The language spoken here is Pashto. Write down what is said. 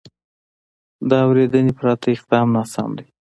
د اورېدنې پرته اقدام ناسم دی.